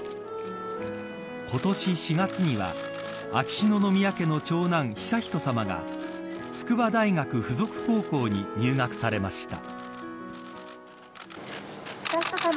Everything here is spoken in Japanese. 今年４月には秋篠宮家の長男、悠仁さまが筑波大学付属高校に入学されました。